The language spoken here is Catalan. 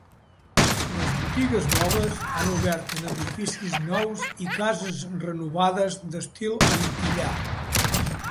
Les botigues noves han obert en edificis nous i cases renovades d'estil antillà.